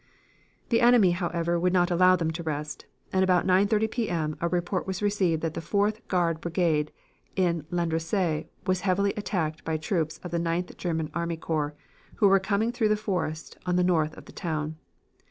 "The enemy, however, would not allow them this rest, and about 9.30 P. M. a report was received that the Fourth Guards Brigade in Landrecies was heavily attacked by troops of the Ninth German Army Corps, who were coming through the forest on the north of the town.